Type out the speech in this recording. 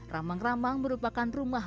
rambang rambang merupakan rumah